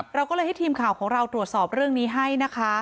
เราก็เลยให้ทีมข่าวของเราตรวจสอบเรื่องนี้ให้นะคะ